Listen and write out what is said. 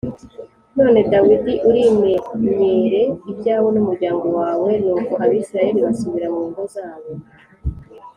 None Dawidi, urimenyere ibyawe n’umuryango wawe” Nuko Abisirayeli basubira mu ngo zabo